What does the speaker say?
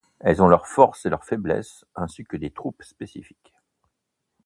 Elles ont leurs forces et leurs faiblesses, ainsi que des troupes spécifiques.